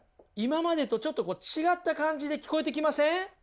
今までとちょっと違った感じで聞こえてきません？